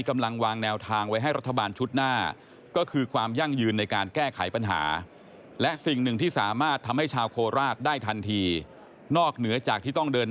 เมื่อกี้ตอบกันเท่าไหร่มีขอเรียกว่าไฟรูประดับใดของมุมไนโอเค